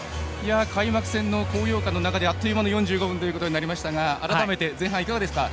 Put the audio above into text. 開幕戦の高揚感の中であっという間の４５分となりましたが改めて、前半いかがですか？